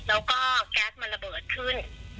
แล้วก็แก๊สมันระเบิดขึ้น